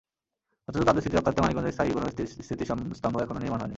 অথচ তাঁদের স্মৃতি রক্ষার্থে মানিকগঞ্জে স্থায়ী কোনো স্মৃতি স্তম্ভ এখনো নির্মাণ হয়নি।